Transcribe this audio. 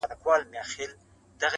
په دغه خپل وطن كي خپل ورورك.